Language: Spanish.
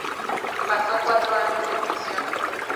Pasó cuatro años en prisión.